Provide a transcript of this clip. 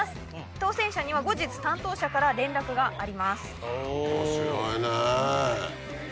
当選者には後日担当者から連絡があります。